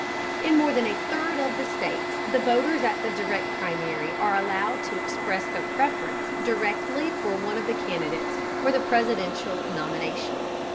In more than a third of the states the voters at the Direct Primary are allowed to express their preference directly for one of the candidates for the presidential nomination.